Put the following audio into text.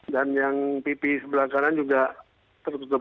dan yang pipi sebelah kanan juga tertutup